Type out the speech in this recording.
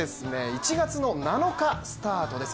１月７日スタートです。